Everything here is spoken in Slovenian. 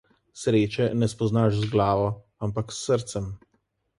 Sreče ne spoznaš z glavo, ampak s srcem.